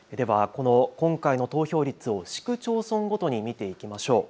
この今回の投票率を市区町村ごとに見ていきましょう。